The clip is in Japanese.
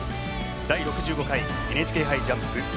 第６５回ＮＨＫ杯ジャンプ。